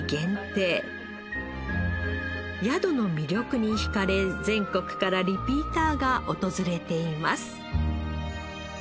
宿の魅力に惹かれ全国からリピーターが訪れています